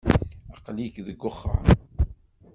Aql-ik deg wexxam.